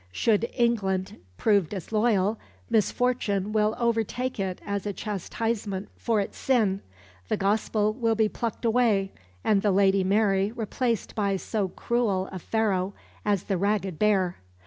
Should England prove disloyal, misfortune will overtake it as a chastisement for its sin; the Gospel will be plucked away and the Lady Mary replaced by so cruel a Pharaoh as the ragged bear.